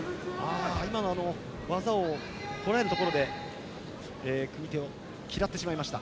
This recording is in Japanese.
今の技をこらえたところで組み手を嫌ってしまいました。